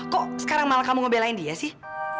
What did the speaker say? kok sekarang malah kamu ngebelain dia sih